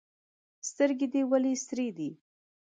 سترګي دي ولي سرې دي؟